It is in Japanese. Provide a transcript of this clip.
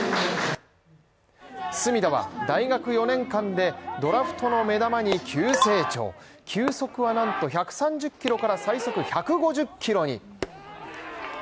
隅田は大学４年間で、ドラフトの目玉に急成長球速はなんと１３０キロから最速１５０キロに。